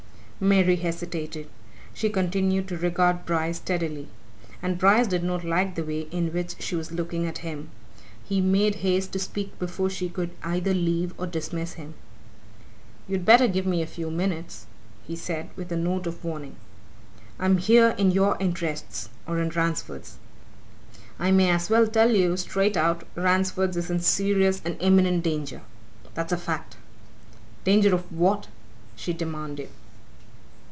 Mary hesitated. She continued to regard Bryce steadily, and Bryce did not like the way in which she was looking at him. He made haste to speak before she could either leave or dismiss him. "You'd better give me a few minutes," he said, with a note of warning. "I'm here in your interests or in Ransford's. I may as well tell you, straight out, Ransford's in serious and imminent danger! That's a fact." "Danger of what?" she demanded.